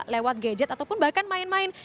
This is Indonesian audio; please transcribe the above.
lewat gadget ataupun bahkan main main